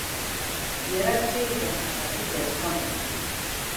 Иара дҽеиӡам, аха ида дҳамаӡам.